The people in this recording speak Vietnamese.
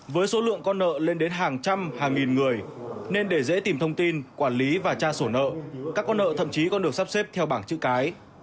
với số lượng con nợ lên đến hàng trăm hàng nghìn người nên để dễ tìm thông tin quản lý và tra sổ nợ các con nợ thậm chí còn được sắp xếp theo bảng chữ cái